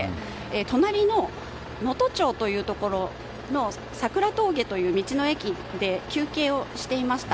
隣の能登町というところのサクラ峠という道の駅で休憩をしていました。